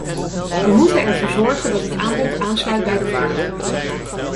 We moeten ervoor zorgen dat het aanbod aansluit bij de vraag.